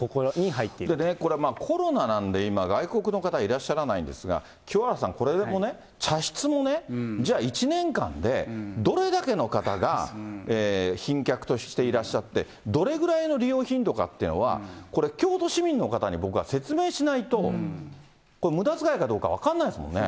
これ、コロナなんで、今、外国の方、いらっしゃらないんですが、清原さん、これもね、茶室もね、じゃあ、１年間でどれだけの方が賓客としていらっしゃって、どれぐらいの利用頻度かっていうのは、これは京都市民の方に僕は、説明しないと、これ、むだ遣いかどうか分かんないですもんね。